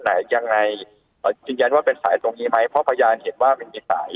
ใดยังไงจริงยันว่าเป็นภายในไทยพอพยานเห็นว่ามีสาย